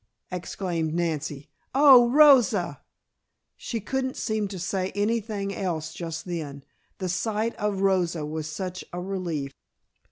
exclaimed Nancy. "Oh, Rosa!" She couldn't seem to say anything else just then, the sight of Rosa was such a relief.